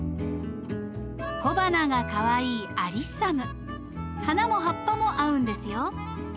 小花がかわいい花も葉っぱも合うんですよ。